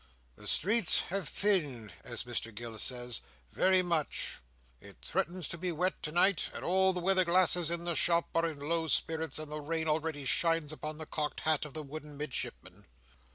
"The streets have thinned," as Mr Gills says, "very much." It threatens to be wet tonight. All the weatherglasses in the shop are in low spirits, and the rain already shines upon the cocked hat of the wooden Midshipman.